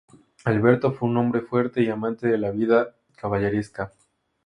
Alberto fue un hombre fuerte y amante de la vida caballeresca.